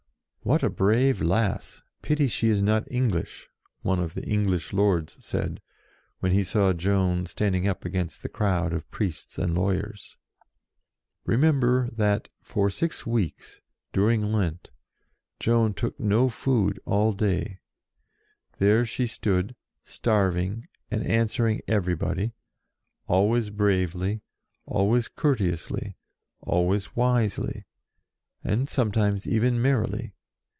"What a brave lass. Pity she is not English !" one of the English lords said, when he saw Joan standing up against the crowd of priests and lawyers. Remember that, for six weeks, during HER TRIAL 105 Lent, Joan took no food all day. There she stood, starving , and answering every body, always bravely, always courteously, always wisely, and sometimes even merrily.